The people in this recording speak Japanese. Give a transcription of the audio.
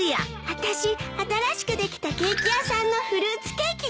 私新しくできたケーキ屋さんのフルーツケーキが食べたい。